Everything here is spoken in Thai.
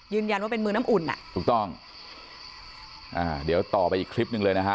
ว่าเป็นมือน้ำอุ่นอ่ะถูกต้องอ่าเดี๋ยวต่อไปอีกคลิปหนึ่งเลยนะฮะ